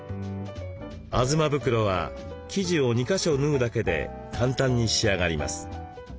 あずま袋は生地を２か所縫うだけで簡単に仕上がります。